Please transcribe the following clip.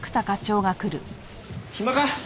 暇か？